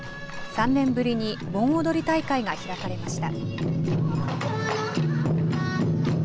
３年ぶりに盆踊り大会が開かれました。